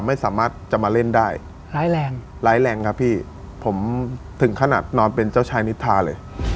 ไม่สามารถจะมาเล่นได้ร้ายแรงร้ายแรงครับพี่ผมถึงขนาดนอนเป็นเจ้าชายนิทาเลย